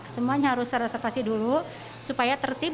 semuanya harus reservasi dulu supaya tertib